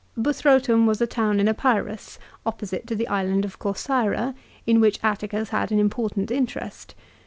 Buthrotum was a town in Epirus opposite to the island of Corcyra, in which Atticus had an important interest.